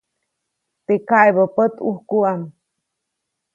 Teʼ kaʼebä pät, ʼujkuʼam.